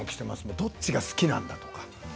どっちが好きなんだ、と。